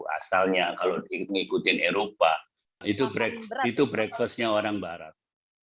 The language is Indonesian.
asalnya kalau mengikuti eropa itu breakfastnya orang barat